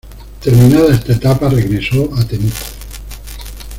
Terminada esta etapa regresó a Temuco.